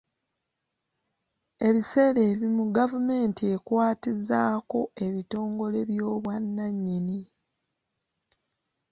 Ebiseera ebimu gavumenti ekwatizaako ebitongole by'obwannannyini.